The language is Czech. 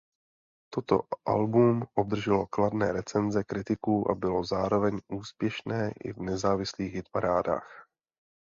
Toto album obdrželo kladné recenze kritiků a bylo zároveň úspěšné i v nezávislých hitparádách.